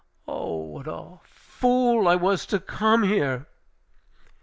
"O, what a fool I was to come here!"